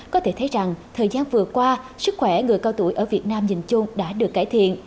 có thể thấy rằng thời gian vừa qua sức khỏe người cao tuổi ở việt nam nhìn chung đã được cải thiện